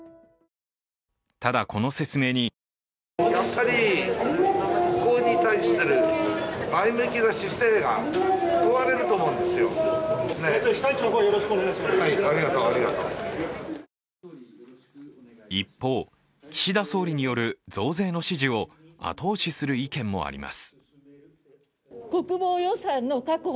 ただ、この説明に一方、岸田総理による増税の指示を後押しする意見もあります。